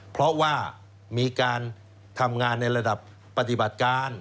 เพราะว่ามีการทำงานในระดับปฏิบัติการ